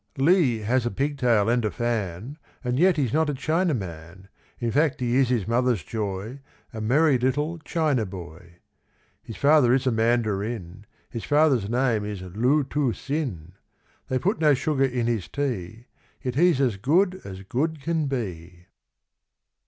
Li has a pigtail and a fan, And yet he's not a Chinaman; In fact, he is his mother's joy, A merry little Chinaboy. His father is a Mandarin, His father's name is Loo Too Sin. They put no sugar in his tea, Yet he's as good as good can be.